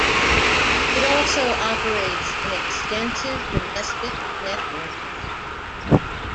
It also operates an extensive domestic network.